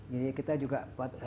jadi kita juga